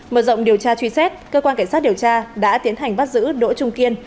mở rộng điều tra truy xét cơ quan cảnh sát điều tra đã tiến hành bắt giữ đỗ trung kiên